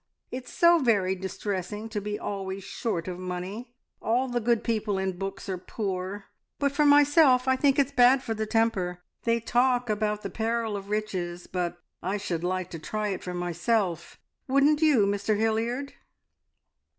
It's so very distressing to be always short of money. All the good people in books are poor, but for myself I think it's bad for the temper. They talk about the peril of riches, but I should like to try it for myself, wouldn't you, Mr Hilliard?"